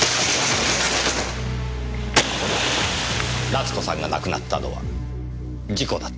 奈津子さんが亡くなったのは事故だった。